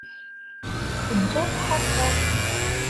Ǧǧant Ḥasan.